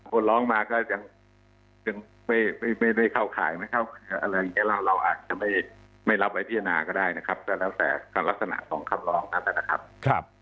คนร้องมาก็ยังไม่ได้เข้าข่ายไม่เข้าอะไรอย่างนี้เราอาจจะไม่รับไว้พิจารณาก็ได้นะครับก็แล้วแต่ลักษณะของคำร้องนั้นนะครับ